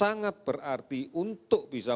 sangat berarti untuk bisa